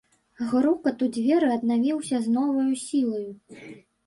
Грукат у дзверы аднавіўся з новаю сілаю.